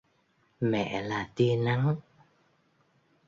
Mẹ là tia nắng